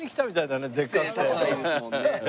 背高いですもんね。